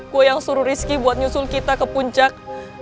gue yang suruh rizky buat nyusul kita ke puncak